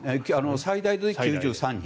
最大で９３人。